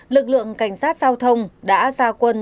lực lượng cảnh sát giao thông đã ra quân